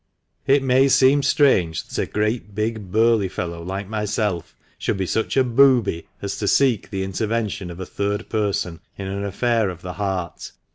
"// may seem strange that a great, big, burly fellow like myself should be such a booby as to seek the intervention of a third person in an affair of the heart.